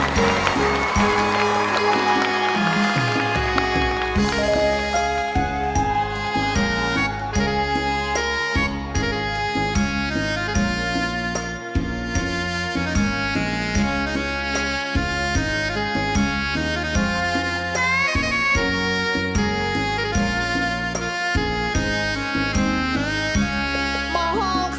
ใจเฉ่าขาดแล้ว